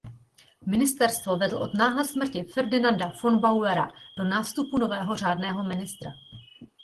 Ministerstvo vedl od náhlé smrti Ferdinanda von Bauera do nástupu nového řádného ministra.